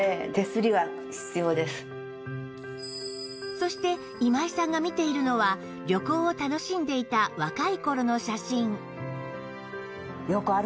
そして今井さんが見ているのは旅行を楽しんでいただから。